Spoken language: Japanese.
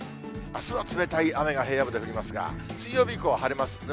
あすは冷たい雨が平野部で降りますが、水曜日以降は晴れます。